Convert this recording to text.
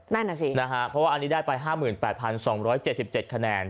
เพราะว่าอันนี้ได้ไป๕๘๒๗๗คะแนน